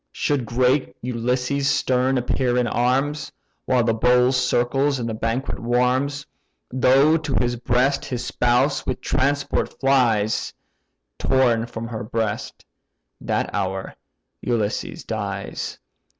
Should great Ulysses stern appear in arms, While the bowl circles and the banquet warms; Though to his breast his spouse with transport flies, Torn from her breast, that hour, Ulysses dies.